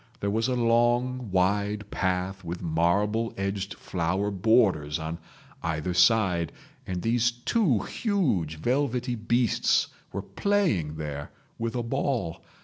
There was a long wide path with marble edged flower borders on either side, and these two huge velvety beasts were playing there with a ball.